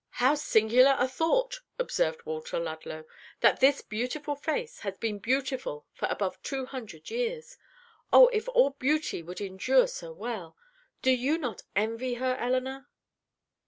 "How singular a thought," observed Walter Ludlow, "that this beautiful face has been beautiful for above two hundred years! Oh, if all beauty would endure so well! Do you not envy her, Elinor?"